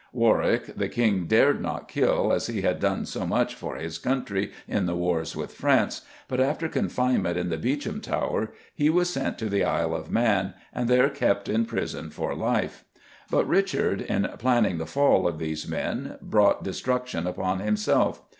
Warwick the King dared not kill, as he had done so much for his country in the wars with France, but after confinement in the Beauchamp Tower, he was sent to the Isle of Man, and there kept in prison for life. But Richard, in planning the fall of these men, brought destruction upon himself.